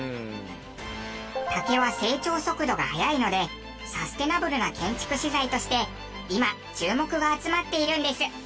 竹は成長速度が早いのでサステナブルな建築資材として今注目が集まっているんです。